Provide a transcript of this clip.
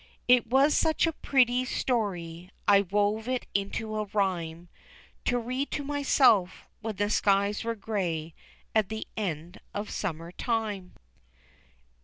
It was such a pretty story I wove it into a rhyme, To read to myself, when the skies were grey, at the end of summertime.